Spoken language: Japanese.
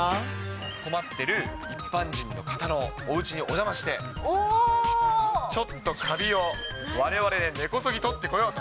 困ってる一般人の方のおうちにお邪魔してちょっとカビを、われわれで根こそぎ取ってこようと。